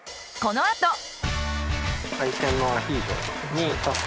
このあと。